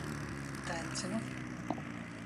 Tencinu.